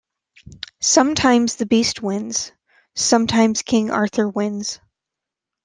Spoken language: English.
Sometimes the beast wins, sometimes King Arthur wins.